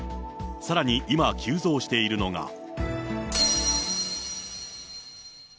さらに今、急増しているのが。